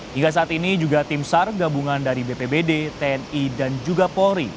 hingga saat ini juga tim sar gabungan dari bpbd tni dan juga polri